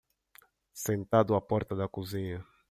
Sentado à porta da cozinha